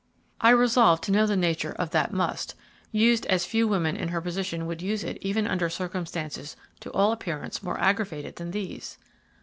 I resolved to know the nature of that must, used as few women in her position would use it even under circumstances to all appearance more aggravated than these.